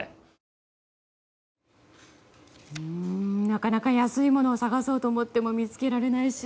なかなか安いものを探そうと思っても見つけられないし